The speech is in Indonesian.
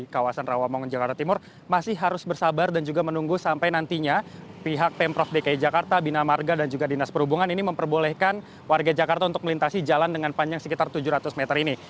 kawasan rawamangun jakarta timur masih harus bersabar dan juga menunggu sampai nantinya pihak pemprov dki jakarta bina marga dan juga dinas perhubungan ini memperbolehkan warga jakarta untuk melintasi jalan dengan panjang sekitar tujuh ratus meter ini